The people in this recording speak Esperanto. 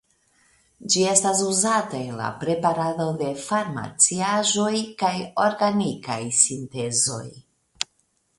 Ĝi estas uzata en la preparado de farmaciaĵoj kaj organikaj sintezoj.